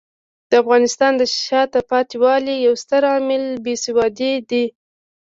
د افغانستان د شاته پاتې والي یو ستر عامل بې سوادي دی.